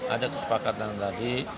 ada kesepakatan tadi